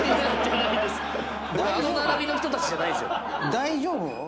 大丈夫？